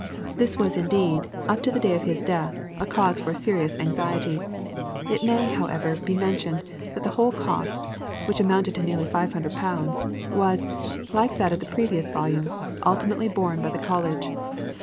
This was, indeed, up to the day of his death, a cause for serious anxiety. It may, however, be mentioned that the whole cost, which amounted to nearly 500 pounds, was, like that of the previous volume, ultimately borne by the College.